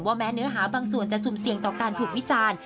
แม้เนื้อหาบางส่วนจะสุ่มเสี่ยงต่อการถูกวิจารณ์